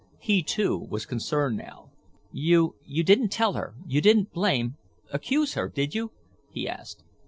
He, too, was concerned now. "You—you didn't tell her—you didn't blame—accuse her—did you?" he asked.